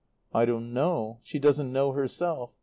"I don't know. She doesn't know herself.